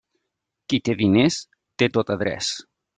Qui té diners té tot adreç.